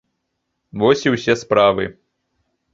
Вось і ўсе справы.